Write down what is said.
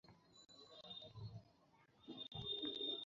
চুম্বক যেভাবে লোহার গুঁড়াকে আকর্ষণ করে, সেভাবে।